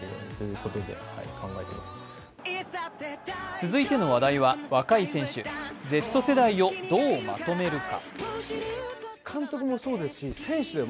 続いての話題は若い選手Ｚ世代をどうまとめるか。